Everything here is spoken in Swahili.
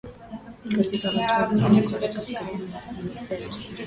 katika hatua nyingine korea kaskazini imesema